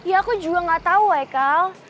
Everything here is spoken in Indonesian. ya aku juga gak tau kal